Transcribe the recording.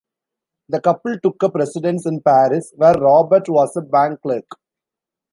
The couple took up residence in Paris, where Robert was a bank clerk.